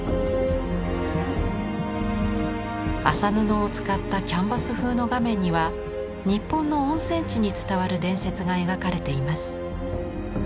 麻布を使ったキャンバス風の画面には日本の温泉地に伝わる伝説が描かれています。